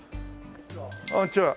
こんにちは。